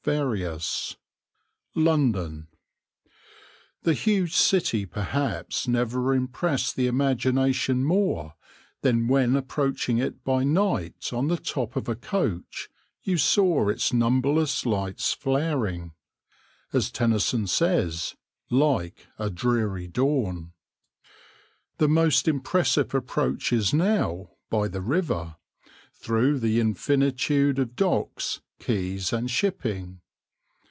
M. Praed LONDON The huge city perhaps never impressed the imagination more than when approaching it by night on the top of a coach you saw its numberless lights flaring, as Tennyson says "like a dreary dawn." The most impressive approach is now by the river through the infinitude of docks, quays, and shipping.